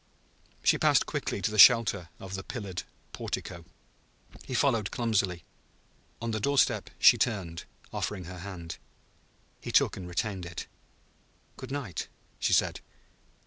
She passed quickly to the shelter of the pillared portico. He followed clumsily. On the door step she turned, offering her hand. He took and retained it. "Good night," she said.